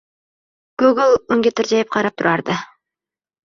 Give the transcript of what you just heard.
Gogol unga tirjayib qarab turardi.